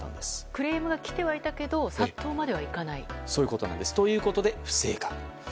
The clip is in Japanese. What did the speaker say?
クレームが来ていたけれど殺到まではいかない？ということで不正確。